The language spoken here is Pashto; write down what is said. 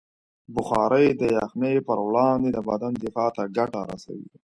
بخاري د یخنۍ پر وړاندې د بدن دفاع ته ګټه رسوي.